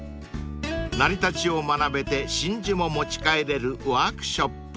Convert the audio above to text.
［成り立ちを学べて真珠も持ち帰れるワークショップ］